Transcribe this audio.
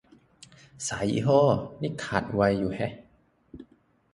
สายยี่ห้อ นี่ขาดในไวอยู่แฮะ